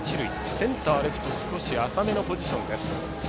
センター、レフト浅めのポジション。